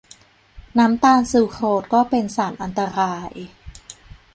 น้ำตาลซูโครสก็เป็นสารอันตราย